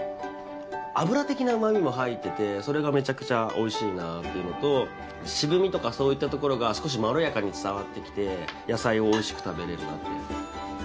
油的なうまみも入っててそれがめちゃくちゃ美味しいなっていうのと渋みとかそういったところが少しまろやかに伝わってきて野菜を美味しく食べれるなって。